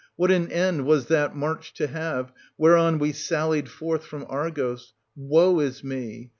What an end was that march to have, whereon we sallied forth from Argos: woe is me